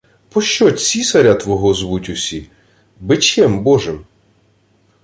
— Пощо цісаря твого звуть усі... Бичем Божим?